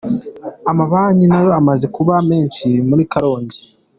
Amabanki nayo amaze kuba menshi muri Karongi.